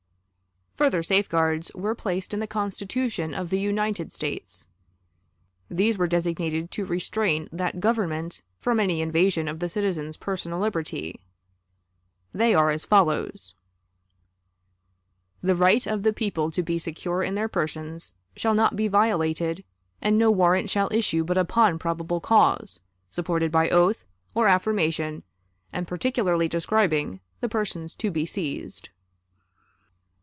Further safeguards were placed in the Constitution of the United States. These were designed to restrain that Government from any invasion of the citizen's personal liberty. They are as follows: "The right of the people to be secure in their persons ... shall not be violated, and no warrant shall issue but upon probable cause, supported by oath, or affirmation, and particularly describing ... the persons to be seized."